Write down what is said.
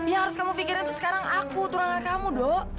yang harus kamu pikirin tuh sekarang aku tunangan kamu do